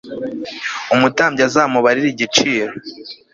umutambyi azamubarire igiciro